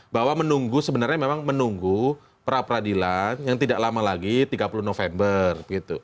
bahwa menunggu sebenarnya memang menunggu perapradilan yang tidak lama lagi tiga puluh november